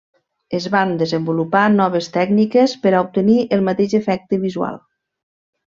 Es van desenvolupar noves tècniques per a obtenir el mateix efecte visual.